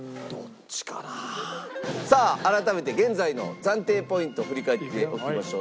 さあ改めて現在の暫定ポイント振り返っておきましょう。